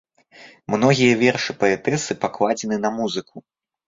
Многія вершы паэтэсы пакладзены на музыку.